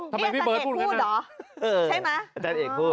ทำไมพี่เบิร์ตพูดกันนะอาจารย์เอกพูดเหรอ